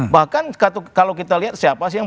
bahkan kalau kita lihat siapa sih yang